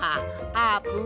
あーぷん！